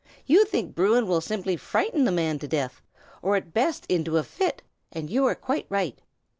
"You think Bruin would simply frighten the man to death, or at best into a fit; and you are quite right.